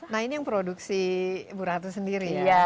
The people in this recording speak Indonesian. nah ini yang produksi bu ratu sendiri ya